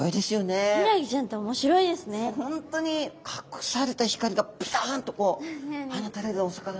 本当に隠された光がピカンとこう放たれるお魚なんですね。